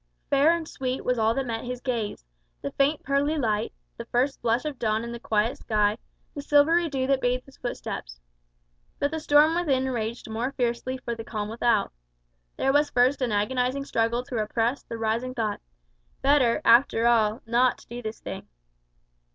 Fair and sweet was all that met his gaze: the faint pearly light, the first blush of dawn in the quiet sky, the silvery dew that bathed his footsteps. But the storm within raged more fiercely for the calm without. There was first an agonizing struggle to repress the rising thought, "Better, after all, not to do this thing."